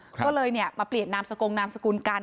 ก็เลยมาเปลี่ยนนามสกงนามสกุลกัน